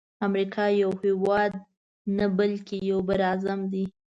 امریکا یو هیواد نه بلکی یو بر اعظم دی.